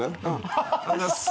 ありがとうございます。